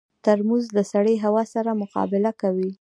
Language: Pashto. ترموز له سړې هوا سره مقابله کوي.